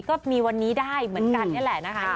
ก็มีวันนี้ได้เหมือนกันนี่แหละนะคะ